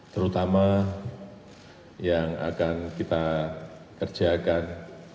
terutama yang akan kita kerjakan